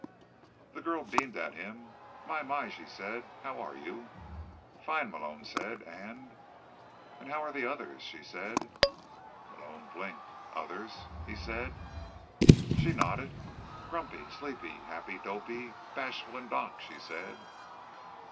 The girl beamed at him. "My, my," she said. "How are you?" "Fine," Malone said. "And—" "And how are the others?" she said. Malone blinked. "Others?" he said. She nodded. "Grumpy, Sleepy, Happy, Dopey, Bashful and Doc," she said.